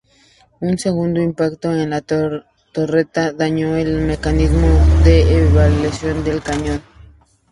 Un segundo impacto en la torreta dañó el mecanismo de elevación del cañón.